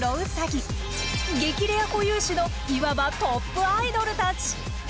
激レア固有種のいわばトップアイドルたち！